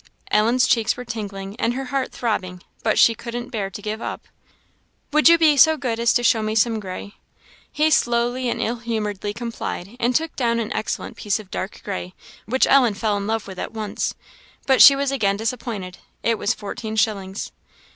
Ellen's cheeks were tingling and her heart throbbing, but she couldn't bear to give up. "Would you be so good as to show me some gray?" He slowly and ill humouredly complied, and took down an excellent piece of dark gray, which Ellen fell in love with at once; but she was again disappointed; it was fourteen shillings.